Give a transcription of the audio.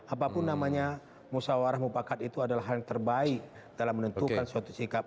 apapun namanya musawarah mufakat itu adalah hal yang terbaik dalam menentukan suatu sikap